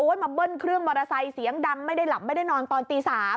มาเบิ้ลเครื่องมอเตอร์ไซค์เสียงดังไม่ได้หลับไม่ได้นอนตอนตี๓